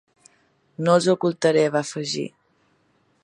No els ho ocultaré, va afegir.